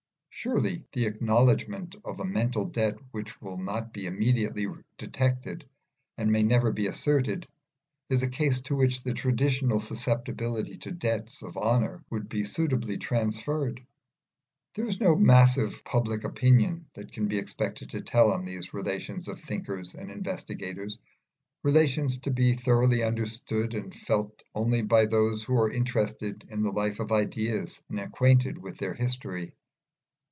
Surely the acknowledgment of a mental debt which will not be immediately detected, and may never be asserted, is a case to which the traditional susceptibility to "debts of honour" would be suitably transferred. There is no massive public opinion that can be expected to tell on these relations of thinkers and investigators relations to be thoroughly understood and felt only by those who are interested in the life of ideas and acquainted with their history.